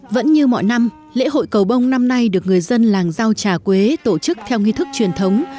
vẫn như mọi năm lễ hội cầu bông năm nay được người dân làng giao trà quế tổ chức theo nghi thức truyền thống